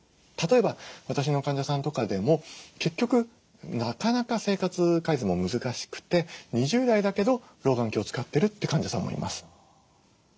例えば私の患者さんとかでも結局なかなか生活改善も難しくて２０代だけど老眼鏡使ってるって患者さんもいます。